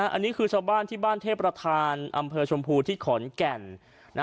อันนี้คือชาวบ้านที่บ้านเทพประธานอำเภอชมพูที่ขอนแก่น